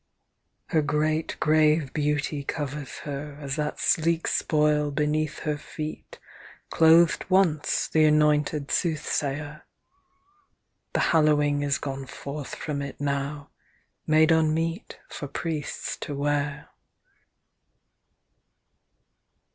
XVI Her great grave beauty covers her As that sleek spoil beneath her feet Clothed once the anointed soothsayer; The hallowing is gone forth from it Now, made unmeet for priests to wear.